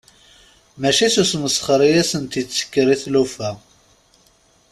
Mačči s usmesxer i asent-ittekkar i tlufa.